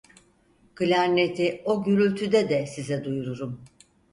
Klarneti o gürültüde de size duyururum.